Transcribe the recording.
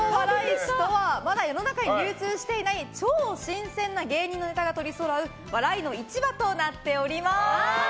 市とはまだ世の中に流通していない超新鮮な芸人のネタがとり揃う笑いの市場となっております。